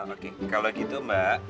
oke kalau gitu mbak